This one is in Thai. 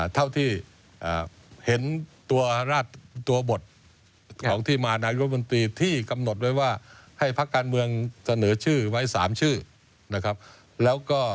เท่าที่เห็นตัวหราดตัวบทของที่มานายกฤษมนตรีที่กำหนดไว้ว่า